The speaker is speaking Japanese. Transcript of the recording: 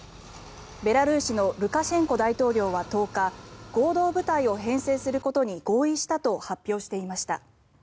ベラルーシのルカシェンコ大統領は１０日合同部隊を編成することに合意したと発表していました。